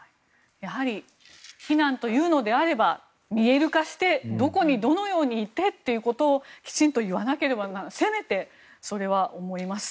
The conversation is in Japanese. やはり避難というのであれば見える化してどこにどのようにということをきちんと言わなければいけないと思います。